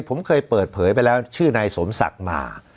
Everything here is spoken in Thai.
ผมเคยเปิดเผยไปแล้วชื่อนายสมศักดิ์มา